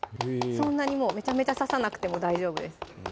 そんなにめちゃめちゃ刺さなくても大丈夫です